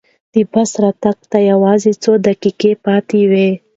د بس راتګ ته یوازې څو دقیقې پاتې وې.